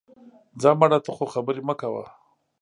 ځه مړه، ته خو خبرې مه کوه